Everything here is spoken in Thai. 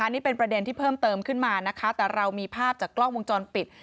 นี่เป็นประเด็นที่เพิ่มเติมขึ้นมานะคะแต่เรามีภาพจากกล้องวงจรปิด